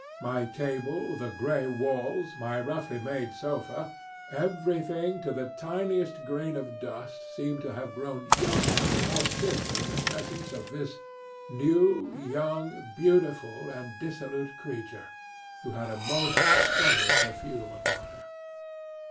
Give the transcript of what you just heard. My table, the gray walls, my roughly made sofa, everything to the tiniest grain of dust seemed to have grown younger and more cheerful in the presence of this new, young, beautiful, and dissolute creature, who had a most subtle perfume about her.